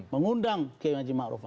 mengundang kmh ma'ruf